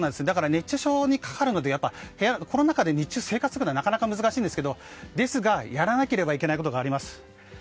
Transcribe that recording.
熱中症にかかるのでこの中で日中、生活するのはなかなか難しいんですがですが、やらなければいけないことがあります。